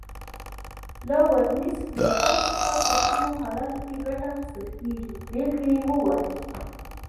له ورنیز کالیپر څخه په کومو حالاتو کې ګټه اخیستل کېږي بېلګه ووایئ.